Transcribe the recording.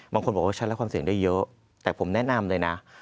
บางคนบอกว่าฉันรับความเสี่ยงได้เยอะแต่ผมแนะนำเลยนะ